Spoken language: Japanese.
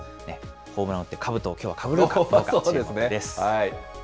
ホームラン打ってかぶとをきょうはかぶろうかどうか、注目です。